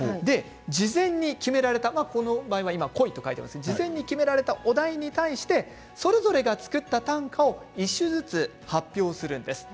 事前に決められた、この場合は「恋」と書いてありますが事前に決められたお題に対しそれぞれが作った短歌を一首ずつ発表するんです。